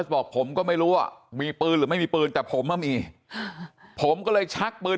บอกผมก็ไม่รู้ว่ามีปืนหรือไม่มีปืนแต่ผมอ่ะมีผมก็เลยชักปืน